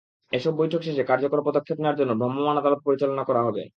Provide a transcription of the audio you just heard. এসব বৈঠক শেষে কার্যকর পদক্ষেপ নেওয়ার জন্য ভ্রাম্যমাণ আদালত পরিচালনা করা হবে।